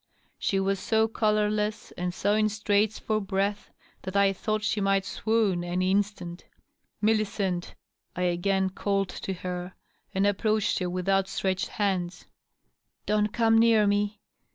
She was so colorless and so in straits for breath that I thought she might swoon any instant. "Millicent!" I again called to her, and approached her with outstretched hands. "Don't come near me."